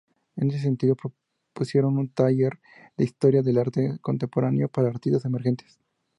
En este sentido, propusieron un taller de historia del arte contemporáneo para artistas emergentes.